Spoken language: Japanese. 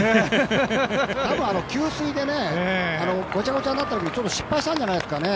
多分、給水でごちゃごちゃになったときにちょっと失敗したんじゃないですかね？